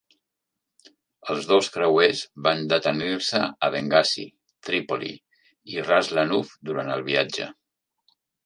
Els dos creuers van detenir-se a Bengasi, Trípoli i Ra's Lanuf durant el viatge.